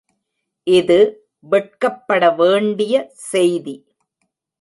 இது வெட்கப்படவேண்டிய செய்தி.